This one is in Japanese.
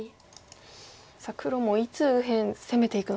黒もいつ右辺攻めていくのか。